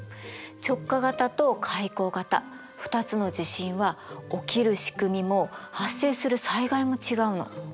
直下型と海溝型２つの地震は起きるしくみも発生する災害も違うの。